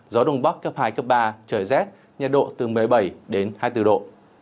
gió đông bắc cấp hai ba trời rét nhiệt độ từ một mươi bảy hai mươi bốn độ